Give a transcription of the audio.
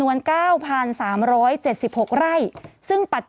ศูนย์อุตุนิยมวิทยาภาคใต้ฝั่งตะวันอ่อค่ะ